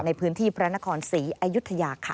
ในพื้นที่พระนครศรีอยุธยาค่ะ